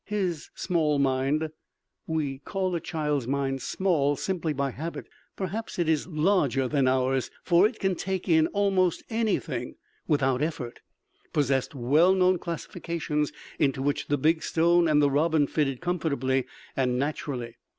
His small mind we call a child's mind "small" simply by habit; perhaps it is larger than ours, for it can take in almost anything without effort possessed well known classifications into which the big stone and the robin fitted comfortably and naturally.